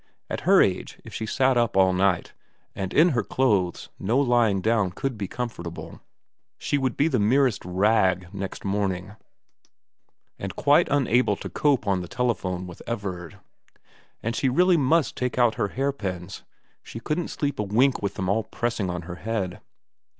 At her age, if she sat up all night and in her clothes no lying down could be comfortable she would be the merest rag next morning, and quite unable to cope on the telephone with Everard. And she really must take out her hairpins ; she couldn't sleep a wink with them all pressing on her head.